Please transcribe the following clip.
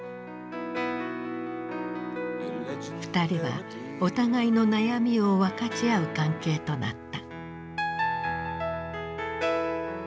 二人はお互いの悩みを分かち合う関係となった。